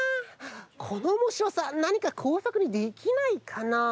このおもしろさなにかこうさくにできないかな？